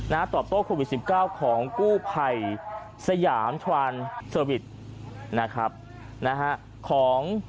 นะฮะต่อตัวความหิวสิบเก้าของกู้ภัยสยามนะครับนะฮะของ